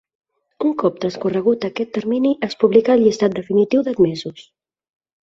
Un cop transcorregut aquest termini, es publica el llistat definitiu d'admesos.